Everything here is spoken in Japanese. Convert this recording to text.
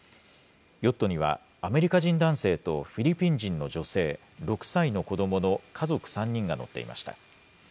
ヨットにはアメリカ人男性とフィリピン人の女性、６歳の子どもの家族３人が乗っていました。